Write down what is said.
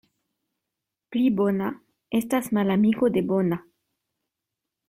Pli bona — estas malamiko de bona.